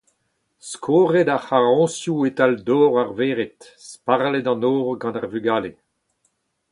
Skoret ar c’harroñsioù e-tal dor ar vered, sparlet an nor gant ar vugale.